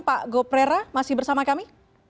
pak gau prera masih bersama kami